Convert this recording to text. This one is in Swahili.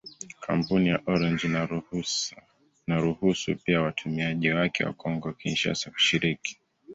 Kampuni ya Orange inaruhusu pia watumiaji wake wa Kongo-Kinshasa kushiriki.